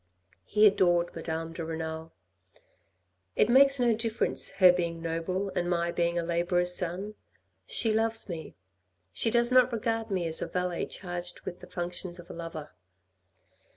He adored Madame de Renal. " It makes no difference her being noble, and my being a labourer's son. She loves me .... she does not regard me as a valet charged with the functions of a lovei."